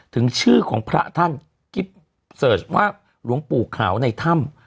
ถึงชื่อของพระท่านกิ๊บเสิร์ชว่าหลวงปู่ขาวในถ้ำ